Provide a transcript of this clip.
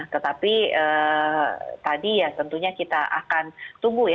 tetapi tadi ya tentunya kita akan tunggu ya